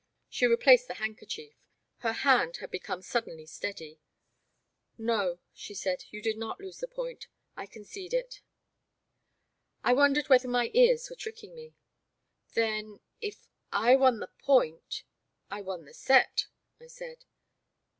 She replaced the handkerchief. Her hand had become suddenly steady. No," she said, you did not lose the point, — I concede it." I wondered whether my ears were tricking me. " Then — ^if I won the point — I won the set," I said.